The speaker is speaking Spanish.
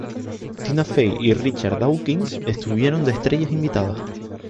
Tina Fey y Richard Dawkins estuvieron de estrellas invitadas.